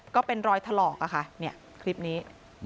ก็เป็นรอยถลอกคลิปนี้